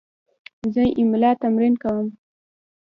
زه املا تمرین کوم.